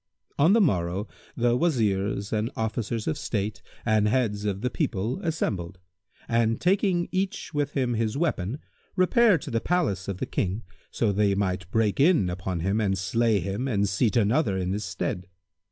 On the morrow the Wazirs and Officers of State and heads of the people assembled; and, taking each with him his weapon, repaired to the palace of the King, so they might break in upon him and slay him and seat another in his stead.